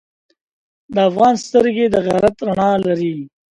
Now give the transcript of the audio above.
د افغان سترګې د غیرت رڼا لري.